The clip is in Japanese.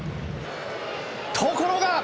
ところが！